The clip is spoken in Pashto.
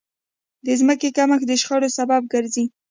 د ځمکې کمښت د شخړو سبب ګرځي.